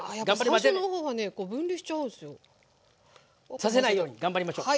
させないように頑張りましょう。